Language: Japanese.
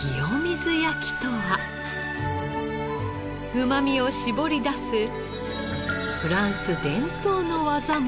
うまみを搾り出すフランス伝統の技も登場。